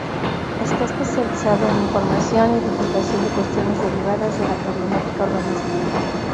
Está especializado en información y divulgación de cuestiones derivadas de la problemática urbanística.